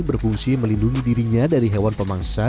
berfungsi melindungi dirinya dari hewan pemangsa